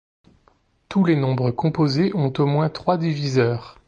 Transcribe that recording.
Tous les nombres composés ont au moins trois diviseurs.